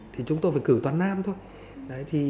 thì chúng tôi phải cử toàn nam thôi